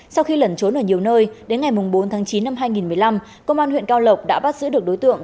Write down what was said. sau khi lẩn trốn ở nhiều nơi đến ngày bốn tháng chín năm hai nghìn một mươi năm công an huyện cao lộc đã bắt giữ được đối tượng